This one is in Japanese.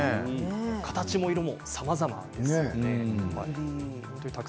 形も色もさまざまですよね。